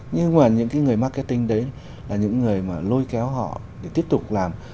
nhưng mà những cái người marketing đấy là những người mà lôi keo họ để tiếp tục làm